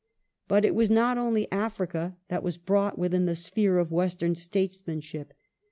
But it was not only Africa that was brought within the sphere The of Western statesmanship.